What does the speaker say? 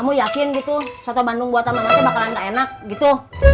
aku yakin gitu soto bandung buatan bakalan gak enak gitu